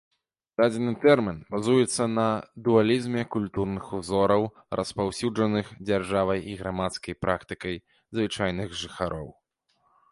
Дадзены тэрмін базуецца на дуалізме культурных узораў распаўсюджаных дзяржавай і грамадскай практыкай звычайных жыхароў.